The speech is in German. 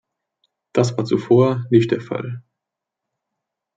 Das war zuvor nicht der Fall.